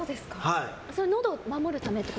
のどを守るためとか？